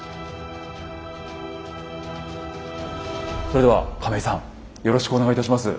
それでは亀井さんよろしくお願いいたします。